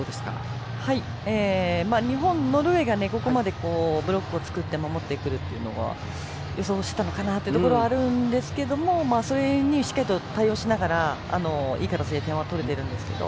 日本、ノルウェーがここまでブロックを作って守ってくるのは予想したのかなというのはあるんですがそれに、しっかり対応しながらいい形で点は取れているんですけど。